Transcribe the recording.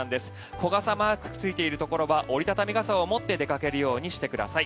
小傘マークがついているところは折り畳み傘を持って出かけるようにしてください。